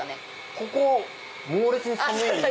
ここ猛烈に寒いんで。